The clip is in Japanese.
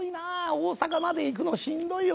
大阪まで行くのしんどいよ。